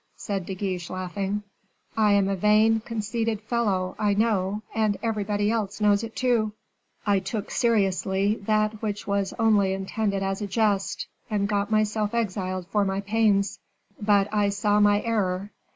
said De Guiche, laughing. "I am a vain, conceited fellow, I know, and everybody else knows it too. I took seriously that which was only intended as a jest, and got myself exiled for my pains. But I saw my error.